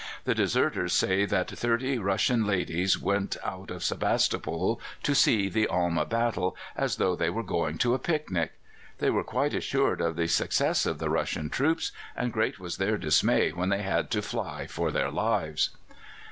The deserters say that thirty Russian ladies went out of Sebastopol to see the Alma battle, as though they were going to a picnic. They were quite assured of the success of the Russian troops, and great was their dismay when they had to fly for their lives.